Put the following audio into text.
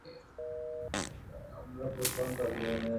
আমরা ফোরটাউন-পাগলী, মনে আছে?